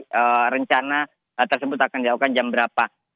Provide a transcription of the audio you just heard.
jadi rencana tersebut akan dijawabkan jam berikutnya